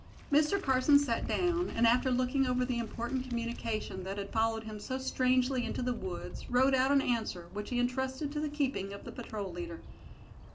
Mr. Carson sat down, and after looking over the important communication that had followed him so strangely into the woods, wrote out an answer, which he entrusted to the keeping of the patrol leader.